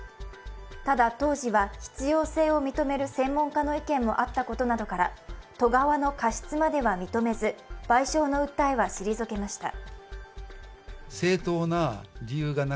ただ、当時は必要性を認める専門家の意見もあったことなどから都側の過失までは認めず賠償の訴えは退けました。